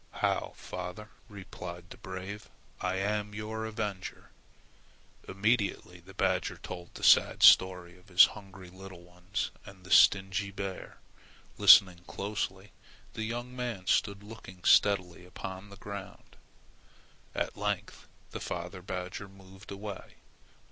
"How, father," replied the brave; "I am your avenger!" Immediately the badger told the sad story of his hungry little ones and the stingy bear. Listening closely the young man stood looking steadily upon the ground. At length the father badger moved away.